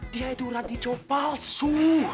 dia itu raditya palsu